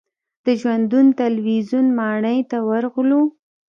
د ژوندون تلویزیون ماڼۍ ته ورغلو.